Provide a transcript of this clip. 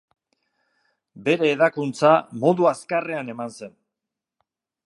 Bere hedakuntza modu azkarrean eman zen.